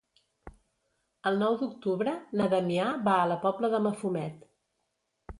El nou d'octubre na Damià va a la Pobla de Mafumet.